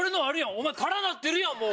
お前空なってるやんもう。